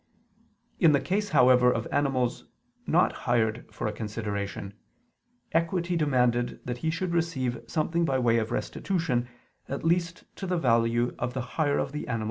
In the case, however, of animals not hired for a consideration, equity demanded that he should receive something by way of restitution at least to the value of the hire of the animal that had perished or deteriorated.